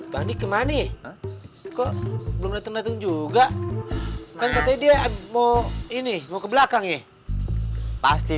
bandit kemah nih kok belum dateng dateng juga kan katanya dia mau ini mau ke belakang ya pasti